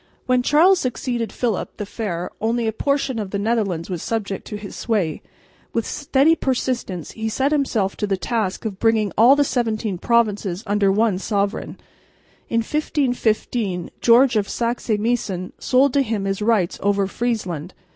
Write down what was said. When Charles succeeded Philip the Fair only a portion of the Netherlands was subject to his sway. With steady persistence he set himself to the task of bringing all the seventeen provinces under one sovereign. In 1515 George of Saxe Meissen sold to him his rights over Friesland.